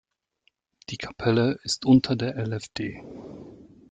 Die Kapelle ist unter der lfd.